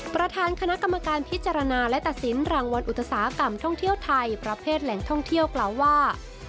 ประธานคณะกรรมการพิจารณาและตัดสินรางวัลอุตสาหกรรมท่องเที่ยวไทยประเภทแหล่งท่องเที่ยวกล่าวว่า